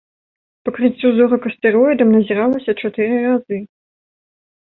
Пакрыццё зорак астэроідам назіралася чатыры разы.